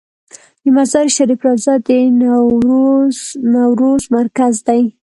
د مزار شریف روضه د نوروز مرکز دی